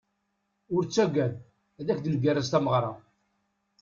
Ur ttagad, ad ak-ngerrez tameɣra.